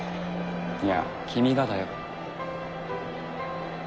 いや君がだよ。